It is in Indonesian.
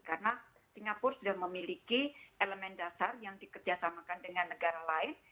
karena singapura sudah memiliki elemen dasar yang dikerjasamakan dengan negara lain